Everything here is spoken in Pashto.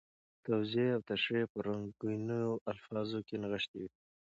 توضیح او تشریح په رنګینو الفاظو کې نغښتي وي.